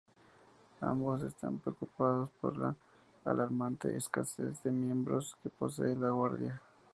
Ambos están preocupados por la alarmante escasez de miembros que posee la Guardia.